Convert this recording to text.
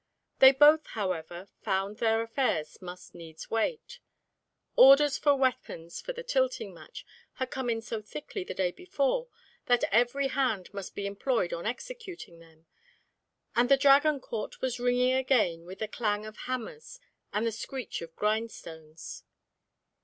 They both, however, found their affairs must needs wait. Orders for weapons for the tilting match had come in so thickly the day before that every hand must be employed on executing them, and the Dragon court was ringing again with the clang of hammers and screech of grind stones.